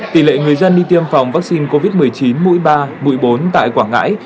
tỷ lệ người dân đi tiêm phòng vaccine covid một mươi chín mũi ba mũi bốn tại quảng ngãi